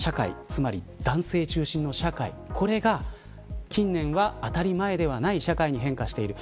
つまり男性中心の社会、これが近年は当たり前ではない社会に変化している。